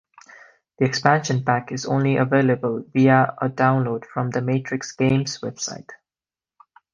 The expansion pack is only available via a download from the Matrix Games website.